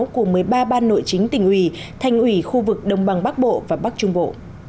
của một mươi ba ban nội chính tỉnh ủy thành ủy khu vực đồng bằng bắc bộ và bắc trung bộ